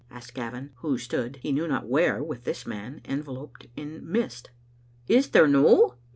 asked Gavin, who stood, he knew not where, with this man, enveloped in mist. "Is there no?